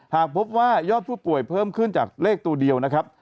หากพบว่ายอดผู้ป่วยเพิ่มขึ้นจากเลขตัวเดียวนะครับ